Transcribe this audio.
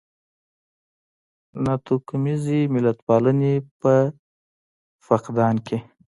ناتوکمیزې ملتپالنې په فقدان کې.